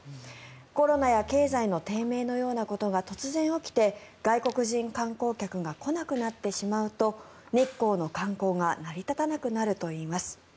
コロナや経済の低迷のようなことが突然、起きて外国人観光客が来なくなってしまうと日光の観光が成り立たなくなるといいます。